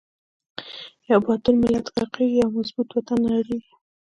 یو با تور ملت غر قیږی، یو مظبو ط وطن نړیزی